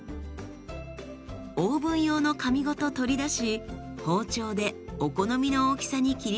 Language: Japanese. オーブン用の紙ごと取り出し包丁でお好みの大きさに切り分けます。